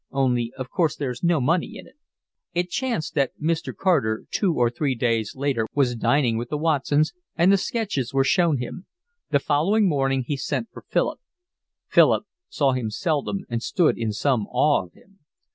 "Only of course there's no money in it." It chanced that Mr. Carter two or three days later was dining with the Watsons, and the sketches were shown him. The following morning he sent for Philip. Philip saw him seldom and stood in some awe of him.